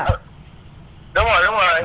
đúng rồi đúng rồi